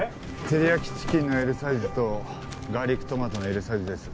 照り焼きチキンのＬサイズとガーリックトマトのＬサイズです。